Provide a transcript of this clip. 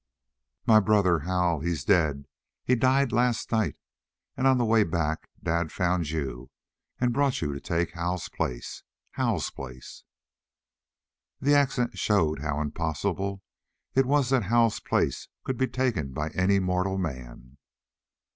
"My brother, Hal; he's dead; he died last night, and on the way back dad found you and brought you to take Hal's place. Hal's place!" The accent showed how impossible it was that Hal's place could be taken by any mortal man.